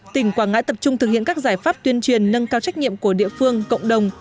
tỉnh quảng ngãi tập trung thực hiện các giải pháp tuyên truyền nâng cao trách nhiệm của địa phương cộng đồng